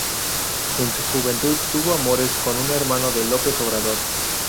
En su juventud tuvo amores con un hermano de López Obrador.